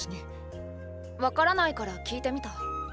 わからないから訊いてみた。